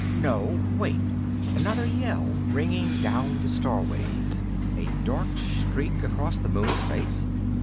No wait another yell, ringing down the star ways, a dark streak across the moon's face.